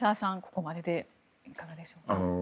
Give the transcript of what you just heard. ここまででいかがでしょうか。